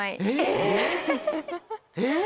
えっ！